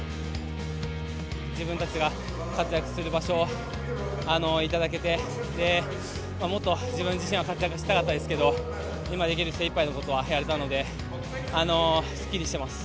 自分たちが活躍する場所を頂けて、もっと自分自身は活躍したかったですけど、今できる精いっぱいのことはやれたので、すっきりしてます。